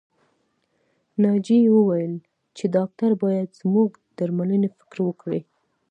ناجيې وويل چې ډاکټر بايد زموږ د درملنې فکر وکړي